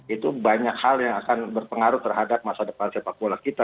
itu banyak hal yang akan berpengaruh terhadap masa depan sepak bola kita